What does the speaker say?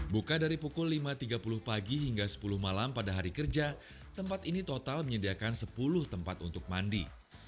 buka dari pukul lima tiga puluh pagi hingga sepuluh malam pada hari kerja tempat ini total menyediakan sepuluh tempat untuk mandi